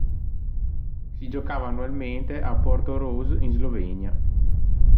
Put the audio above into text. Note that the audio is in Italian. Si giocava annualmente a Portorose in Slovenia.